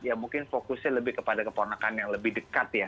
ya mungkin fokusnya lebih kepada keponakan yang lebih dekat ya